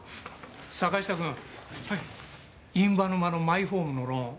坂下君印旛沼のマイホームのローン